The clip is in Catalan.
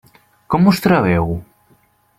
Com us trobeu?